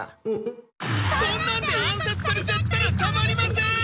そんなんで暗殺されちゃったらたまりません！